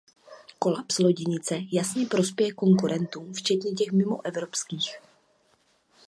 Kolaps loděnic jasně prospěje konkurentům, včetně těch mimoevropských.